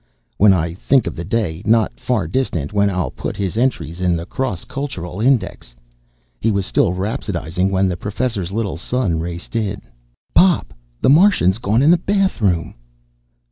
When I think of the day not far distant when I'll put his entries in the cross cultural index ..." He was still rhapsodizing when the Professor's Little Son raced in. "Pop, the Martian's gone to the bathroom!"